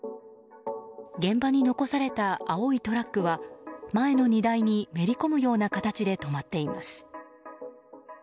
現場に残された青いトラックは前の荷台に、めり込むような形で止まっています。